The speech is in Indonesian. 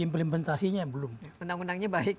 implementasinya belum undang undangnya baik